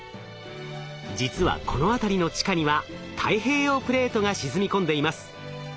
実はこの辺りの地下には太平洋プレートが沈み込んでいます。